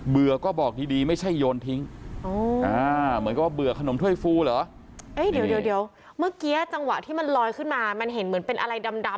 เบื่อก็บอกดีไม่ใช่โยนทิ้งเหมือนกับเบื่อขนมถ้วยฟูหรอ